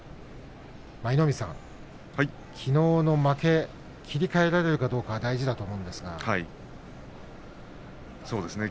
舞の海さん、きのうの負け切り替えられるかどうかそうですね。